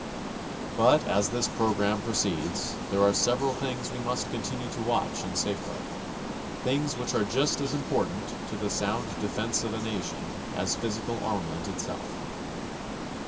But as this program proceeds there are several things we must continue to watch and safeguard, things which are just as important to the sound defense of a nation as physical armament itself.